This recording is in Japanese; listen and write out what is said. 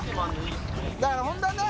だからホントはね